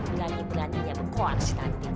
berani beraninya mengkoarsinasi nanti